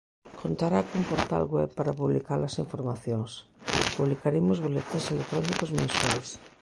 Contará cun portal web para publicar as informacións; publicaremos boletíns electrónicos mensuais.